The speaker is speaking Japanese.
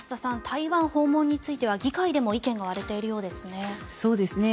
台湾訪問については議会でも意見が割れているようですね。